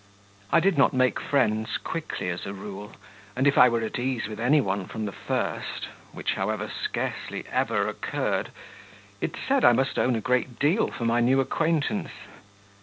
I did not make friends quickly as a rule, and if I were at ease with any one from the first which, however, scarcely ever occurred it said, I must own, a great deal for my new acquaintance.